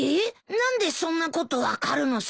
何でそんなこと分かるのさ。